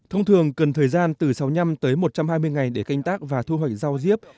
thông thường cần thời gian từ sáu mươi năm tới một trăm hai mươi ngày để canh tác và thu hoạch rau diếp